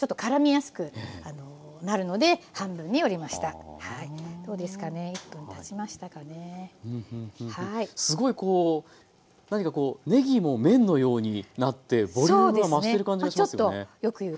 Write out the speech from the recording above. すごいこう何かこうねぎも麺のようになってボリュームが増してる感じがしますね。